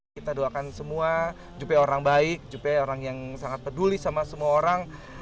kita doakan semua juppe orang baik juppe orang yang sangat peduli sama semua orang